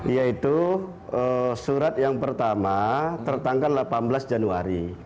yaitu surat yang pertama tertanggal delapan belas januari